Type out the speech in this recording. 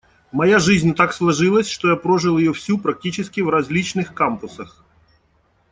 Моя жизнь так сложилась, что я прожил ее всю практически в различных кампусах.